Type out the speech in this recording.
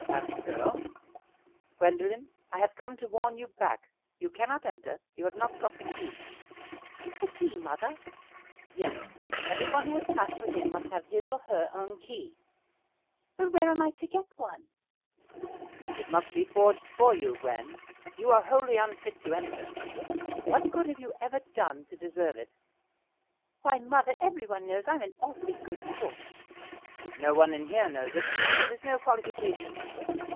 asked the girl. "Gwendoline, I have come to warn you back. You cannot enter; you have not got the key." "The key, mother?" "Yes, everyone who would pass within must have his or her own key." "Well, where am I to get one?" "It must be forged for you, Gwen. You are wholly unfit to enter. What good have you ever done to deserve it?" "Why, mother, everyone knows I'm an awfully good sort." "No one in here knows it. That is no qualification."